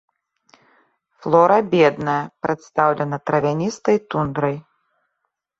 Флора бедная, прадстаўлена травяністай тундрай.